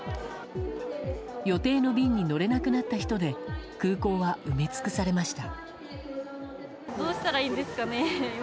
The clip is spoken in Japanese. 予定の便に乗れなくなった人で空港は埋め尽くされました。